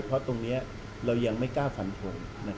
เพราะตรงนี้เรายังไม่กล้าฝันทง